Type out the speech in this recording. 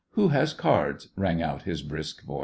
Who has cards }" rang out his brisk voice.